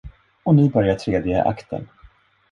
Och nu börjar tredje akten.